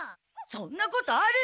そんなことある！